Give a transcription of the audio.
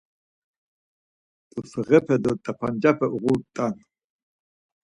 T̆ufeğepe do t̆abancape uğurt̆an.